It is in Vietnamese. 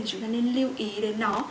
thì chúng ta nên lưu ý đến nó